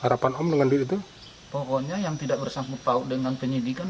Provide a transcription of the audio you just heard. harapan om dengan itu pokoknya yang tidak bersangkut paut dengan penyidikan